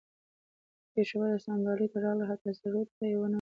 و د پیښور اسامبلۍ ته راغلل حتی سرود ته یې ونه دریدل